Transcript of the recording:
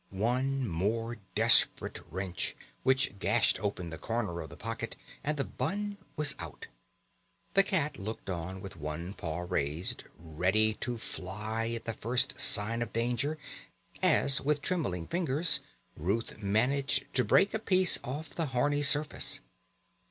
One more desperate wrench, which gashed open the corner of the pocket, and the bun was out. The cat looked on with one paw raised, ready to fly at the first sign of danger, as with trembling fingers Ruth managed to break a piece off the horny surface.